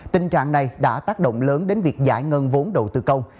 tình trạng này đã tác động lớn đến việc giải ngân vốn đầu tư công